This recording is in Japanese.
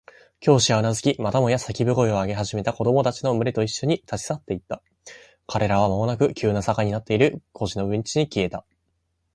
教師はうなずき、またもや叫び声を上げ始めた子供たちのむれといっしょに、立ち去っていった。彼らはまもなく急な坂になっている小路のうちに消えた。